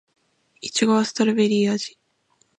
いちごはストベリー味